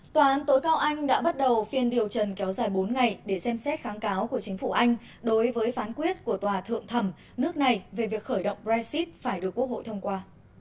tòa án tối cao anh đã bắt đầu phiên điều trần kéo dài bốn ngày để xem xét kháng cáo của chính phủ anh đối với phán quyết của tòa thượng thẩm nước này về việc khởi động brexit phải được quốc hội thông qua